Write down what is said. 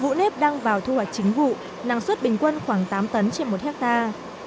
vụ nếp đang vào thu hoạch chính vụ năng suất bình quân khoảng tám tấn trên một hectare